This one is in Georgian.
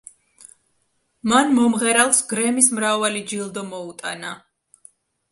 მან მომღერალს გრემის მრავალი ჯილდო მოუტანა.